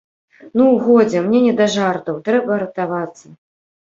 Ну, годзе, мне не да жартаў, трэба ратавацца.